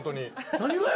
何がや。